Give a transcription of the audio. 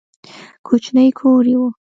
کوچنی کور یې و.